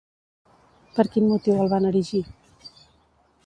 Per quin motiu el van erigir?